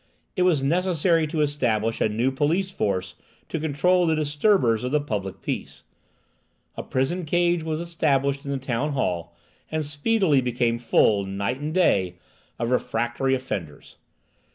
It was necessary to establish a new police force to control the disturbers of the public peace. A prison cage was established in the Town Hall, and speedily became full, night and day, of refractory offenders.